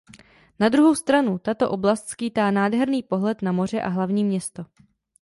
Na druhou stranu tato oblast skýtá nádherný pohled na moře a hlavní město.